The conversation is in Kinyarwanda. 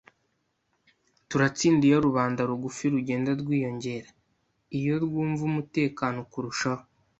Turatsinda iyo rubanda rugufi rugenda rwiyongera, iyo rwumva umutekano kurushaho."